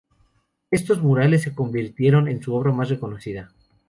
Estos murales se convirtieron en su obra más reconocida.